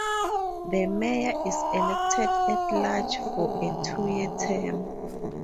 The mayor is elected at large for a two-year term.